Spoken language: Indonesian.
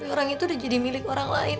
orang itu udah jadi milik orang lain